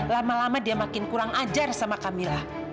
lama lama dia makin kurang ajar sama kamilah